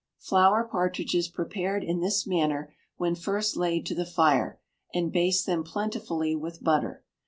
Flour partridges prepared in this manner when first laid to the fire, and baste them plentifully with butter.